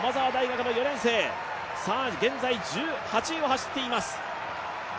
現在、１８位を走っています。